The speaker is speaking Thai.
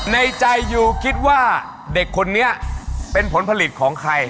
ในใจยูคิดว่าเด็กคนนี้เป็นผลผลิตของใคร